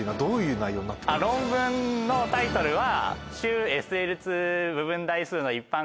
論文のタイトルは。